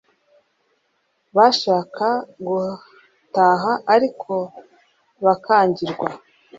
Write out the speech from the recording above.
bashaka gutaha ariko bakangirwa